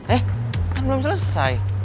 eh kan belum selesai